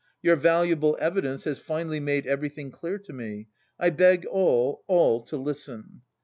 Your valuable evidence has finally made everything clear to me. I beg all, all to listen.